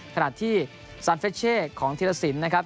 ขนาดที่สันเฟชเช่ของทีระสินนะครับ